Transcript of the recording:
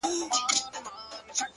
ټولي دنـيـا سره خــبري كـــوم-